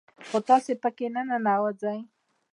خو تاسو په كي ننوځئ